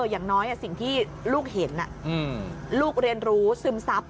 อย่างน้อยสิ่งที่ลูกเห็นลูกเรียนรู้ซึมซับ